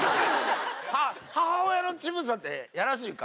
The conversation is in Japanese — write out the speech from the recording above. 母親の乳房ってやらしいか？